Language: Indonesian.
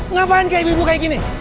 ngapain kayak ibu ibu kayak gini